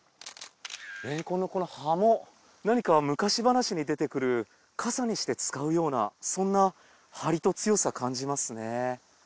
れんこんのこの葉も何か昔話に出てくる傘にして使うようなそんなハリと強さ感じますね。